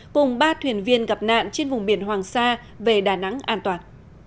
cùng ba thuyền viên gặp nạn trên vùng biển hoàng sa về đà nẵng an toàn